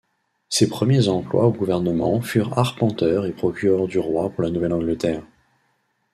Ses premiers emplois au gouvernement furent arpenteur et procureur du Roi pour la Nouvelle-Angleterre.